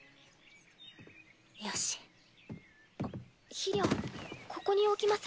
肥料ここに置きます。